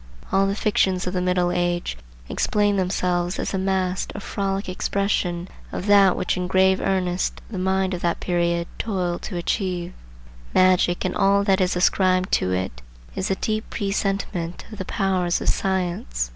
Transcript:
All the fictions of the Middle Age explain themselves as a masked or frolic expression of that which in grave earnest the mind of that period toiled to achieve. Magic and all that is ascribed to it is a deep presentiment of the powers of science.